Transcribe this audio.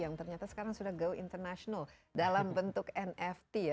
yang ternyata sekarang sudah go international dalam bentuk nft ya